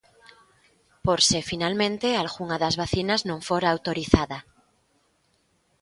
Por se finalmente algunha das vacinas non fora autorizada.